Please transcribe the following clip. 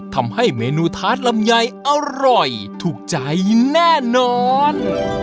ทำให้เมนูทาสลำไยอร่อยถูกใจแน่นอน